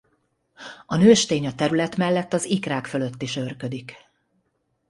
A nőstény a terület mellett az ikrák fölött is őrködik.